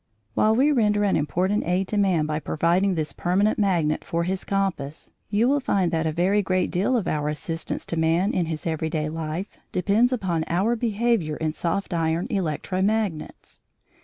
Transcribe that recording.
While we render an important aid to man by providing this permanent magnet for his compass, you will find that a very great deal of our assistance to man in his everyday life depends upon our behaviour in soft iron electro magnets.